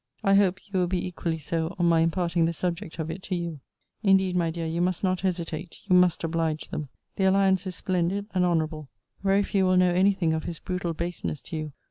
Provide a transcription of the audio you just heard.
I hope you will be equally so on my imparting the subject of it to you. * See Letter II. of this volume. Indeed, my dear, you must not hesitate. You must oblige them. The alliance is splendid and honourable. Very few will know any thing of his brutal baseness to you.